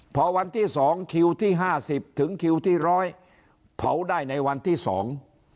พอวันที่สองคิวที่ห้าสิบถึงคิวที่ร้อยเผาได้ในวันที่สอง